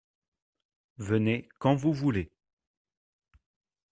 Venez quand vous voulez.